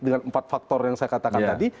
dengan empat faktor yang saya katakan tadi